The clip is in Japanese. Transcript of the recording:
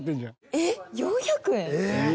えっ４００円？